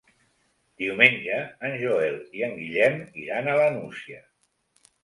Diumenge en Joel i en Guillem iran a la Nucia.